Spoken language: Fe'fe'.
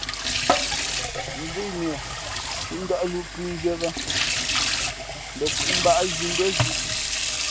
Zʉ́ʼnʉα sī ndα̌ʼ nǔ pʉ̌nzhwīē bᾱ, bᾱ pōōmbáʼ zhī mbʉ́ά zʉ̄ʼ.